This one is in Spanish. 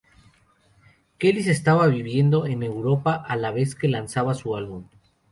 Kelis estaba viviendo en Europa a la vez que lanzaba su álbum.